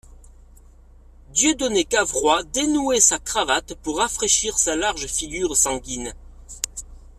Dieudonné Cavrois dénouait sa cravate pour rafraîchir sa large figure sanguine.